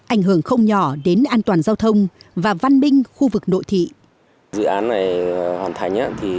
ảnh hưởng không nhỏ đến an toàn giao thông và văn minh khu vực nội thị